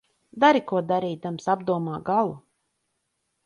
Dari ko darīdams, apdomā galu.